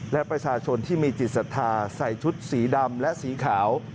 และประชาชนที่มีจิตศรัทธาใส่ชุดสีดำและสีขาว